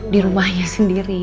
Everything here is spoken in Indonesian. di rumahnya sendiri